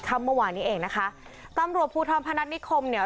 เมื่อวานนี้เองนะคะตำรวจภูทรพนัฐนิคมเนี่ย